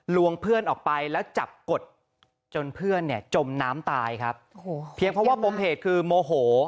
เพื่อนออกไปแล้วจับกดจนเพื่อนเนี่ยจมน้ำตายครับโอ้โหเพียงเพราะว่าปมเหตุคือโมโห